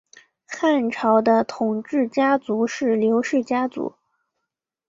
汉朝的统治家族是刘氏家族。